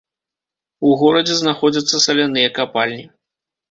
У горадзе знаходзяцца саляныя капальні.